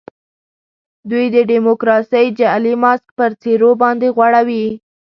دوی د ډیموکراسۍ جعلي ماسک پر څېرو باندي غوړوي.